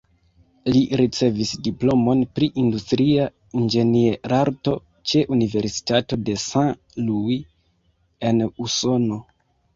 Li ricevis diplomon pri industria inĝenierarto ĉe Universitato de Saint Louis en Usono.